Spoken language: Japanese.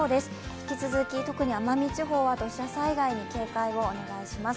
引き続き、特に奄美地方は土砂災害に警戒をお願いします。